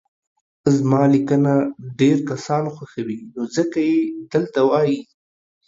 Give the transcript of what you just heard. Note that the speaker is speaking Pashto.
زما ليکنه ډير کسان خوښوي نو ځکه يي دلته وايي